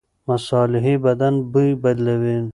مصالحې بدن بوی بدلوي.